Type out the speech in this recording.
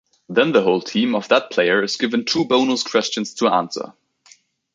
Then the whole team of that player is given two bonus questions to answer.